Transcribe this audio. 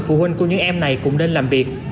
phụ huynh của những em này cũng nên làm việc